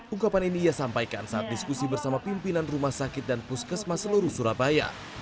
ungkapan ini ia sampaikan saat diskusi bersama pimpinan rumah sakit dan puskesmas seluruh surabaya